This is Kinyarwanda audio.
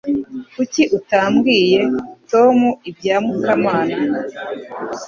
Kuki utabwiye Tom ibya Mukamana